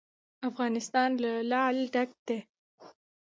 افغانستان له لعل ډک دی.